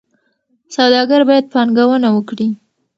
سوداګر باید پانګونه وکړي.